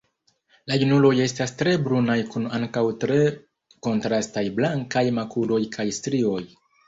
La junuloj estas tre brunaj kun ankaŭ tre kontrastaj blankaj makuloj kaj strioj.